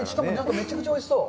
めちゃくちゃおいしそう。